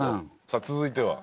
さあ続いては？